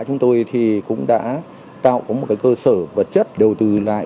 chúng tôi cũng đã tạo một cơ sở vật chất đầu tư lại